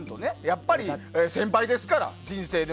やっぱり先輩ですから。